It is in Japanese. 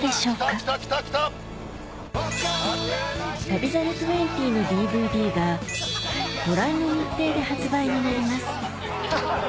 『旅猿２０』のＤＶＤがご覧の日程で発売になります